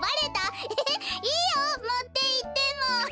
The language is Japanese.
エヘヘいいよもっていっても。